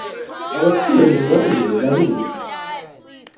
abacuruzi bamwe bariba.